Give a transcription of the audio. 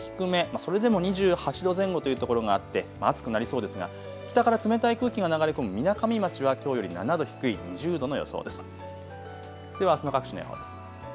それでも２８度前後というところがあって暑くなりそうですが、北から冷たい空気が流れ込むみなかみ町はきょうより７度低い２０度の予想です。